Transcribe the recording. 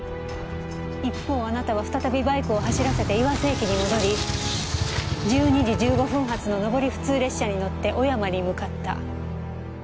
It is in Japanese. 一方あなたは再びバイクを走らせて岩瀬駅に戻り１２時１５分発の上り普通列車に乗って小山に向かった。